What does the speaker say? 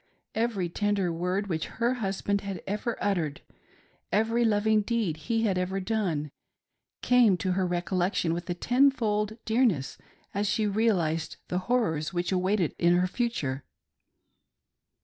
Every tender word which her husband had ever uttered ; every loving deed he had ever done, came to her recollection with a ten fold dearness as she realised the horrors which awaited her in the future.